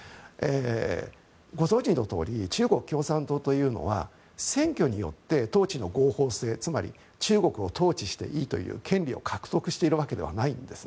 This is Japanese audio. ご存じのとおり中国共産党というのは選挙によって統治の合法性つまり中国を統治していいという権利を獲得しているわけではないんです。